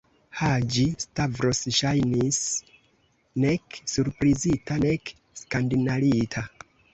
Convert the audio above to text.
Haĝi-Stavros ŝajnis nek surprizita, nek skandalita.